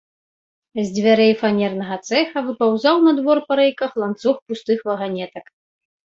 З дзвярэй фанернага цэха выпаўзаў на двор па рэйках ланцуг пустых ваганетак.